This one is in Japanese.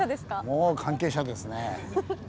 もう関係者ですね。